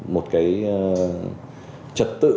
một cái trật tự